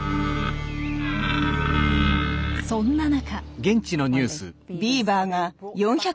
そんな中。